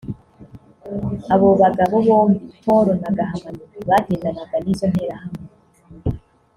Abo bagabo bombi Paul na Gahamanyi bagendanaga n’izo nterahamwe